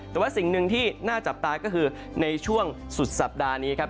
แต่ว่าสิ่งหนึ่งที่น่าจับตาก็คือในช่วงสุดสัปดาห์นี้ครับ